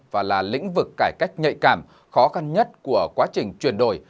và là lĩnh vực cải cách nhạy cảm khó khăn nhất của quá trình chuyển đổi